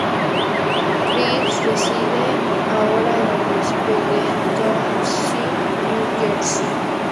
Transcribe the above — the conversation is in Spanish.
Criss reside ahora en el Municipio de Township, New Jersey.